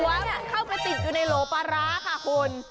พร้อมแน่บเข้าไปติดอยู่ในโหลปลาร้าค่ะคน